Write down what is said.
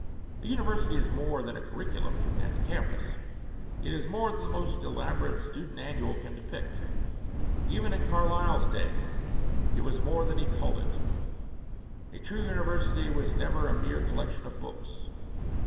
A university is more than a curriculum and a campus. It is more than the most elaborate student annual can depict. Even in Carlyle's day, it was more than he called it: a true university was never a mere 'collection of books.'